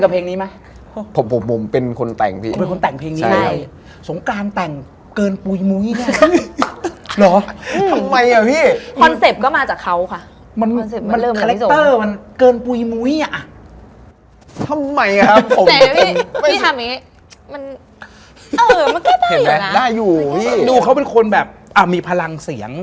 ขับรถไปต่างจังหวัดแบบนี้